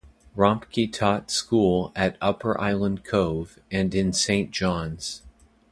Rompkey taught school at Upper Island Cove and in Saint John's.